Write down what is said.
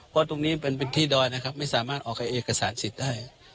เพราะตรงนี้เป็นที่ดอยนะครับไม่สามารถออกเอกสารสิทธิ์ได้